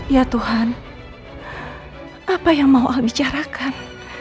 ya tuhan apa yang mau allah bicarakan